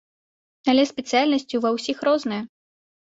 Але спецыяльнасці ва ўсіх розныя.